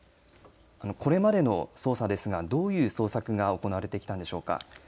これまでの捜査ですがどういう捜索が行われてきたんでしょうか。